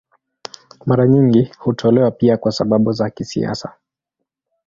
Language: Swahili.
Mara nyingi hutolewa pia kwa sababu za kisiasa.